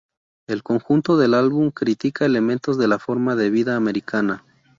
El conjunto del álbum critica elementos de la forma de vida americana.